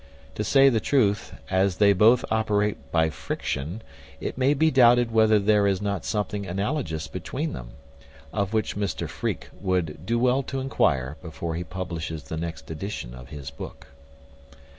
To say the truth, as they both operate by friction, it may be doubted whether there is not something analogous between them, of which Mr Freke would do well to enquire, before he publishes the next edition of his book.